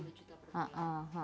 dua juta per bulan